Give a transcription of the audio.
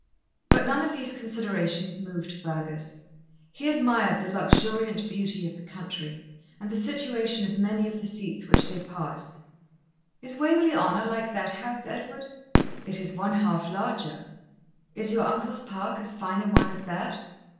But none of these considerations moved Fergus. He admired the luxuriant beauty of the country, and the situation of many of the seats which they passed. 'Is Waverley Honour like that house, Edward?' 'It is one half larger.' 'Is your uncle's park as fine a one as that?'